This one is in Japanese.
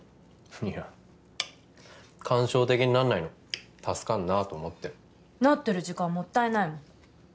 いや感傷的になんないの助かるなと思ってなってる時間もったいないもん